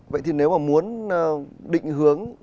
vậy thì nếu mà muốn định hướng